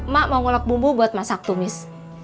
mak mau ngolok bumbu buat masak tumis